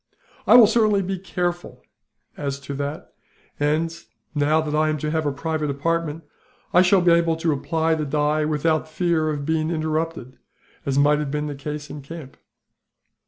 "I will certainly be careful as to that and, now that I am to have a private apartment, I shall be able to apply the dye without the fear of being interrupted, as might have been the case in camp."